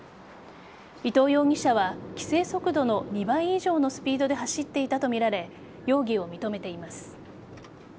伊東容疑者は規制速度の２倍以上のスピードで走っていたとみられ容疑を認めています。